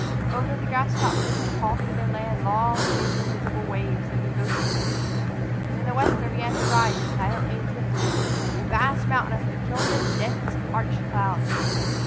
Over the grass tops the heat halted and lay in long, faintly visible waves, like a ghostly sea. And in the west there began to arise, silently and swiftly, a vast mountain of peculiar, dense arched clouds.